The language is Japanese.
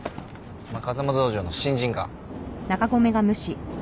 お前風間道場の新人か？